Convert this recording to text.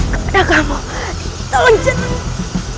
kepada kamu tolong jatuhkan